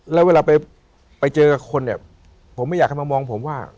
แล้วเวลาไปเจอกับคนเนี่ยผมไม่อยากให้มามองผมว่า